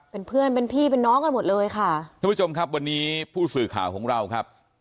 เป็นเพื่อนเป็นพี่เป็นน้องกันหมดเลยค่ะทุกผู้ชมครับวันนี้ผู้สื่อข่าวของเราครับ